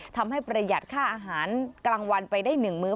ประหยัดค่าอาหารกลางวันไปได้๑มื้อ